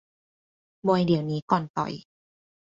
มวยเดี๋ยวนี้ก่อนต่อย